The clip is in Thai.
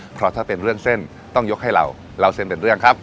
เพราะถ้าเป็นเรื่องเส้นต้องยกให้เราเล่าเส้นเป็นเรื่องครับ